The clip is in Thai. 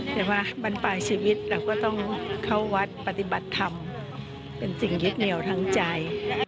ใช่ไหมบรรปลายชีวิตเราก็ต้องเข้าวัดปฏิบัติธรรมเป็นสิ่งยึดเหนียวทั้งใจ